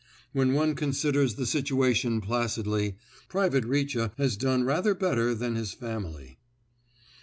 When one considers the situation placidly, Private Richa has done rather better than his family.